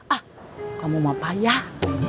ah kamu mau payah